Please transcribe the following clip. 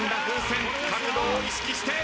角度を意識して。